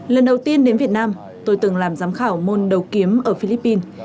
lần đầu tiên đến việt nam tôi từng làm giám khảo môn đầu kiếm ở philippines